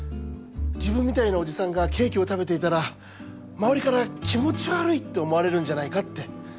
自分みたいなおじさんがケーキを食べていたら周りから気持ち悪いって思われるんじゃないかって。